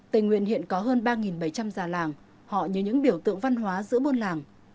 tây nguyên hiện có hơn ba bảy trăm linh già làng họ như những biểu tượng văn hóa giữa buôn làng